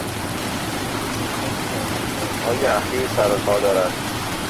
جلد دوم با رویدادهای اخیر سر و کار دارد.